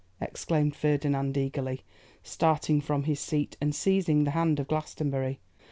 exclaimed Ferdinand eagerly, starting from his seat and seizing the hand of Glastonbury.